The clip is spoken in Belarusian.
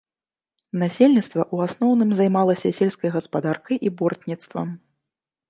Насельніцтва ў асноўным займалася сельскай гаспадаркай і бортніцтвам.